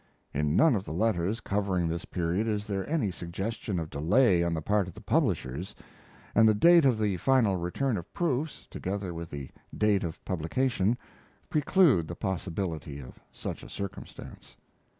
In none of the letters covering this period is there any suggestion of delay on the part of the publishers, and the date of the final return of proofs, together with the date of publication, preclude the possibility of such a circumstance.